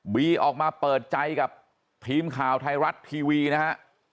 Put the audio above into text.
บีออกมาเปิดใจกับทีมข่าวไทยรัฐทีวีนะฮะ